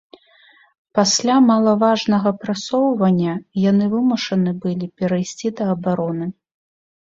Пасля малаважнага прасоўвання яны вымушаны былі перайсці да абароны.